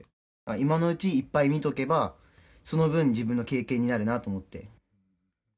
今のうちにいっぱい見ておけばその分自分の経験になるなと思って。